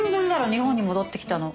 日本に戻ってきたの。